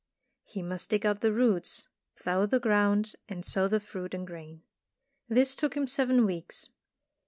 He must dig out the roots, plough the ground and sow the fruit and grain. This took him seven weeks.